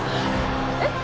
えっ？